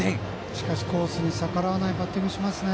しかしコースに逆らわないバッティングしますね。